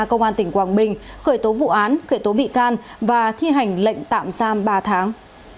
công an tỉnh quảng bình khởi tố vụ án khởi tố bị can và thi hành lệnh tạm giam ba tháng